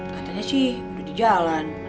katanya sih udah di jalan